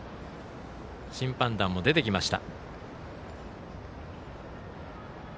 審判団も出てきました。